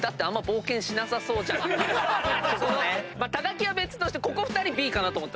木は別としてここ２人はＢかなと思った。